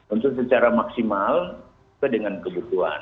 untuk secara maksimal itu dengan kebutuhan